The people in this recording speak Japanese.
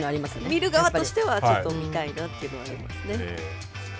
見る側としてはちょっと見たいなというのはありますね。